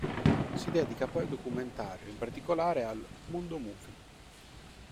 Si dedica poi al documentario e in particolare al "mondo movie".